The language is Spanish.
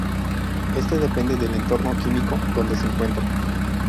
Este depende del entorno químico donde se encuentre.